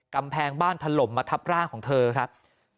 กำแพงบ้านถล่มมาทับร่างของเธอครับ